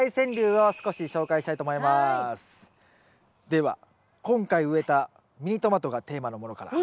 では今回植えたミニトマトがテーマのものから。